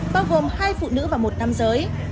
bao gồm hai phụ nữ và một nam giới